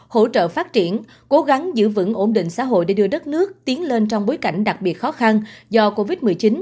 hỗ trợ phát triển cố gắng giữ vững ổn định xã hội để đưa đất nước tiến lên trong bối cảnh đặc biệt khó khăn do covid một mươi chín